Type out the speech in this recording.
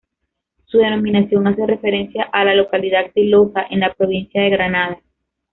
Su denominación hace referencia a la localidad de Loja, en la provincia de Granada.